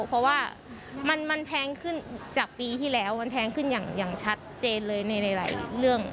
เพราะว่ามันแพงขึ้นจากปีที่แล้วมันแพงขึ้นอย่างชัดเจนเลยในหลายเรื่อง